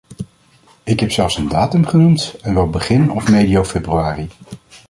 Ik heb zelfs een datum genoemd, en wel begin of medio februari.